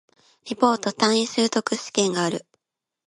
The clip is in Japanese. リポート、単位習得試験がある